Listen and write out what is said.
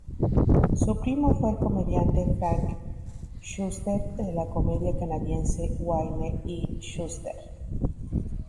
Su primo fue el comediante Frank Shuster de la comedia canadiense "Wayne y Shuster".